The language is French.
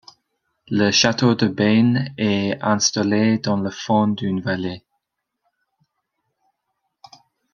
Le Château de Beynes est installé dans le fond d'une vallée.